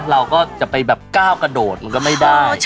เราก็จะไปแบบก้าวกระโดดมันก็ไม่ได้